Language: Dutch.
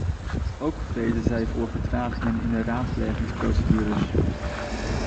Ook vrezen zij voor vertragingen in de raadplegingsprocedures.